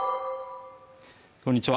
こんにちは